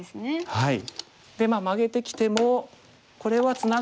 はい。